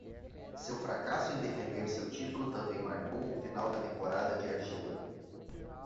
Seu fracasso em defender seu título também marcou o final da temporada de argila.